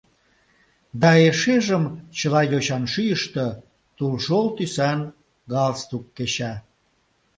Да эшежым чыла йочан шӱйыштӧ тулшол тӱсан галстук кеча.